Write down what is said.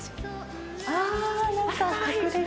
ああなんか隠れ家的な。